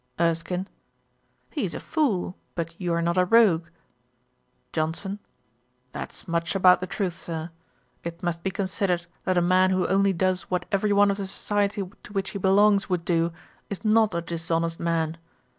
ERSKINE. 'He is a fool, but you are not a rogue.' JOHNSON. 'That's much about the truth, Sir. It must be considered, that a man who only does what every one of the society to which he belongs would do, is not a dishonest man.